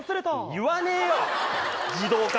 言わねぇよ。